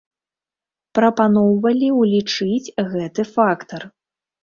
Прапаноўвалі ўлічыць гэты фактар.